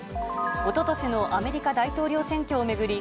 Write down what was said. おととしのアメリカ大統領選挙を巡り、